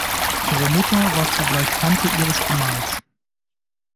Ihre Mutter war zugleich Tante ihres Gemahls.